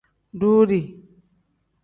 Duuri.